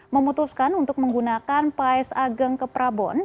memutuskan untuk menggunakan paes ageng ke prabon